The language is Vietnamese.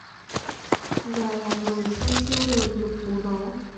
Già làng rồi chăm chiêu rồi giục bố nó